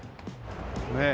ねえ。